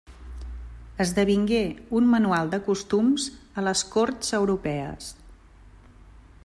Esdevingué un manual de costums a les corts europees.